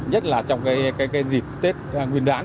nhất là trong cái dịp tết nguyên đán